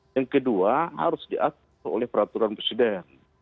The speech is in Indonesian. yang kedua harus diatur oleh peraturan presiden